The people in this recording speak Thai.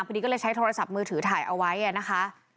พอดีก็เลยใช้โทรศัพท์มือถือถ่ายเอาไว้นะคะ